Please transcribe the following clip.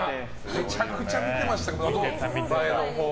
めちゃくちゃ見てましたよ。